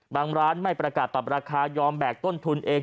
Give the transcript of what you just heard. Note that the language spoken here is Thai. บางร้านไม่ประกาศปรับราคายอมแบกต้นทุนเอง